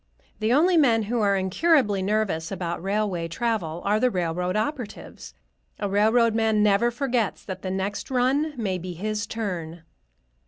The only men who are incurably nervous about railway travel are the railroad operatives. A railroad man never forgets that the next run may be his turn.